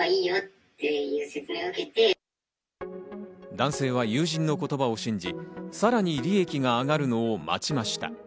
男性は友人の言葉を信じ、さらに利益が上がるのを待ちました。